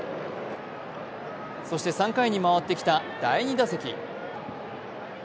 そして３回に回ってきた第２打席。